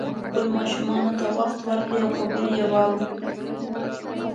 خپلو ماشومانو ته وخت ورکړئ او خبرې یې واورئ